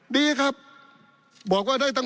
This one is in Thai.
ปี๑เกณฑ์ทหารแสน๒